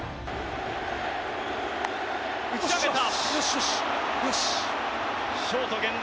打ち上げた。